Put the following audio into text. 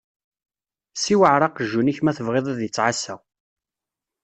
Ssiwɛeṛ aqjun-ik ma tebɣiḍ ad ittɛassa!